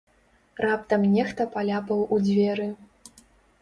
Раптам нехта паляпаў у дзверы.